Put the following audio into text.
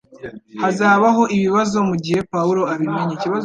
Hazabaho ibibazo mugihe Pawulo abimenye